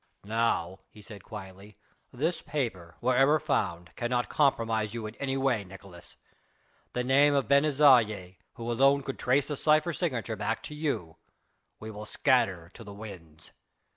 "Now," he said quietly, "this paper, wherever found, cannot compromise you in any way, Nicolaes. The name of Ben Isaje who alone could trace the cypher signature back to you, we will scatter to the winds."